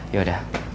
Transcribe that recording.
ya udah aku pamit